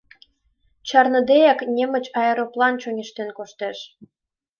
Чарныдеак немыч аэроплан чоҥештен коштеш.